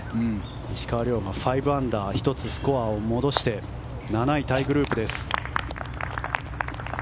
石川遼は５アンダー１つスコアを戻して７位タイグループ。